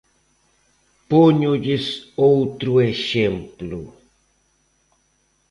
Póñolles outro exemplo.